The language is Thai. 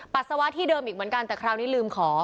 ปัสสาวะที่เดิมอีกเหมือนกันแต่คราวนี้ลืมขอ